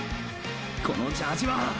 このジャージは！！